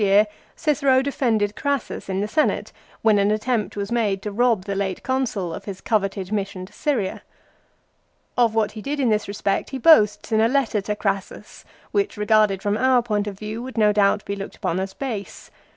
51 year, Cicero defended Crassus in the Senate, when an attempt was made to rob the late Consul of his coveted 5.0. 04. aetat. 3. m i ss i on to Syria. Of what he did in this respect he boasts in a letter to Crassus, 1 which regarded from our point of view would no doubt be looked upon as base.